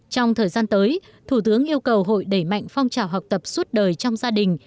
trong thời gian tới thủ tướng yêu cầu hội đẩy mạnh phong trào học tập suốt đời trong gia đình